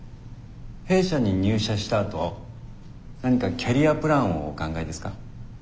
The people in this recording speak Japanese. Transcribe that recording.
弊社に入社したあと何かキャリアプランをお考えですか？